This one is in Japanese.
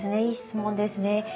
いい質問ですね。